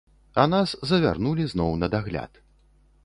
А нас завярнулі зноў на дагляд.